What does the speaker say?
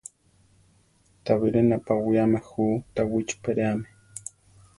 Ta biré napawiáme jú Tawichi peréami.